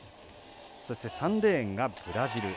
そして、３レーンがブラジル。